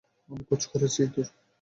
আমি খোঁজ করেছি তোর।